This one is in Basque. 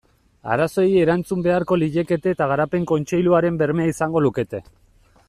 Arazoei erantzun beharko liekete eta Garapen Kontseiluaren bermea izango lukete.